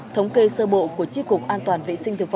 thống kê sơ bộ của tri cục an toàn vệ sinh